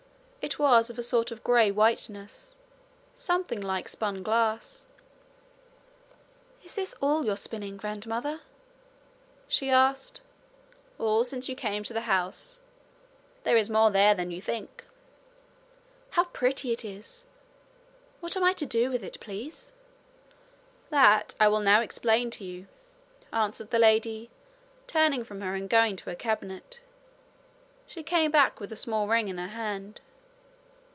It was of a sort of grey whiteness, something like spun glass. 'Is this all your spinning, grandmother?' she asked. 'All since you came to the house. There is more there than you think.' 'How pretty it is! What am I to do with it, please?' 'That I will now explain to you,' answered the lady, turning from her and going to her cabinet. She came back with a small ring in her hand.